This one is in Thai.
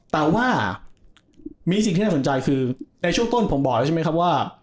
แต่ว่ามีสิ่งที่น่าสนใจคือในช่วงต้นผมบอกแล้วใช่ไหมครับว่า